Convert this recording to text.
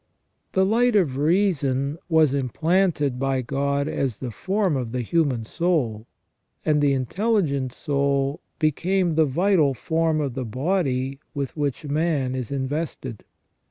The light of reason was implanted by God as the form of the human soul; and the intelligent soul became the vital form of the body with which man is invested.